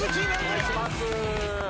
お願いします。